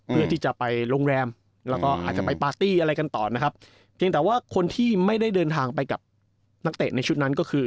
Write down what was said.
เพื่อที่จะไปโรงแรมแล้วก็อาจจะไปปาร์ตี้อะไรกันต่อนะครับเพียงแต่ว่าคนที่ไม่ได้เดินทางไปกับนักเตะในชุดนั้นก็คือ